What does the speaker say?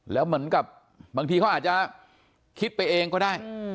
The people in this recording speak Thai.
แล้วเหมือนกับบางทีเขาอาจจะคิดไปเองก็ได้